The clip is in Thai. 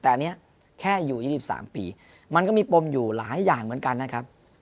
แต่อันนี้แค่อยู่๒๓ปีมันก็มีปมอยู่หลายอย่างเหมือนกันนะครับ